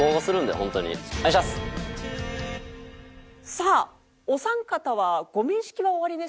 さあお三方はご面識はおありですか？